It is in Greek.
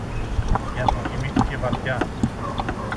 και αποκοιμήθηκε βαθιά